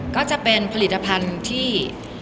ก็จะเป็นผลิตภัณฑ์ที่